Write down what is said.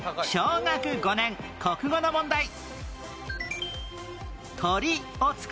小学５年国語の問題